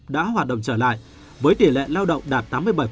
đã hoạt động trở lại với tỷ lệ lao động đạt tám mươi bảy